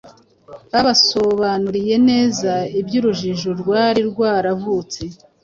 babasobanuriye neza iby’urujijo rwari rwaravutse